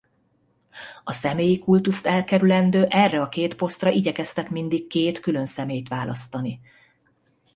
A személyi kultuszt elkerülendő erre a két posztra igyekeztek mindig két külön személyt választani.